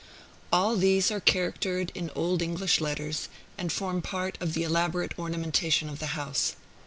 All these are charactered in old English letters, and form part of the elaborate ornamentation of the house.